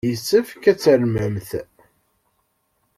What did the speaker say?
Yessefk ad tarmemt!